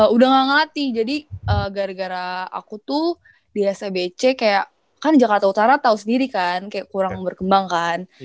udah gak ngelatih jadi gara gara aku tuh di sbc kayak kan jakarta utara tahu sendiri kan kayak kurang berkembang kan